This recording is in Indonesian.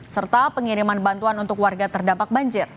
serta pengiriman bantuan untuk warga terdampak banjir